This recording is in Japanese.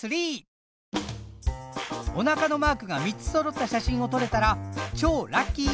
おなかのマークが３つそろった写真を撮れたら超ラッキー！